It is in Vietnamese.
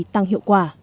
tăng hiệu quả